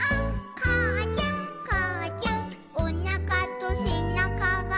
「かあちゃんかあちゃん」「おなかとせなかが」